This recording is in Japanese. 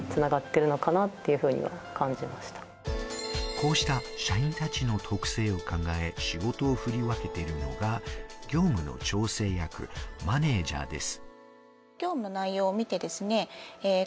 こうした社員たちの特性を考え、仕事を振り分けているのが、業務の調整役、マネージャーです。